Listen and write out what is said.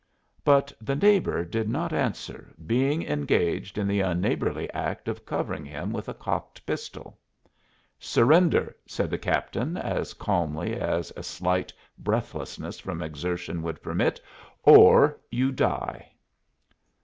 But the "neighbor" did not answer, being engaged in the unneighborly act of covering him with a cocked pistol. "Surrender," said the captain as calmly as a slight breathlessness from exertion would permit, "or you die."